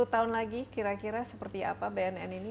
sepuluh tahun lagi kira kira seperti apa bnn ini